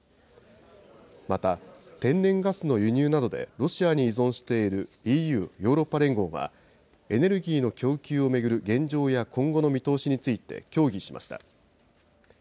また、天然ガスの輸入などで、ロシアに依存しているＥＵ・ヨーロッパ連合は、エネルギーの供給を巡る現状や今後の見通しについて協議しました。